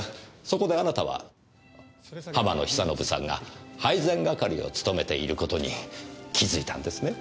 そこであなたは浜野久信さんが配膳係を務めている事に気づいたんですね。